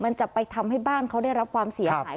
จะไปทำให้บ้านเขาได้รับความเสียหาย